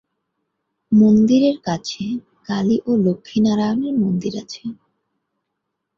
মন্দিরের কাছে কালী ও লক্ষ্মী-নারায়ণের মন্দির আছে।